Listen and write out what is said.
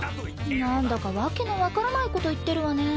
何だか訳の分からないこと言ってるわね。